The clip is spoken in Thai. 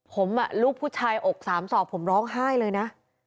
ผมลูกผู้ชายอกสามศอกผมร้องไห้เลยนะ